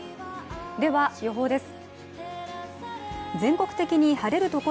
では、予報です。